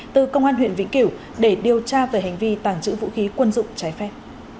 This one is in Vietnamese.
từ công an huyện vĩnh kiểu để điều tra về hành vi tàng trữ vũ khí quân dụng trái phép